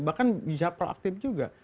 bahkan bisa proaktif juga